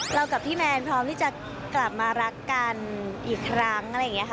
กับพี่แมนพร้อมที่จะกลับมารักกันอีกครั้งอะไรอย่างนี้ค่ะ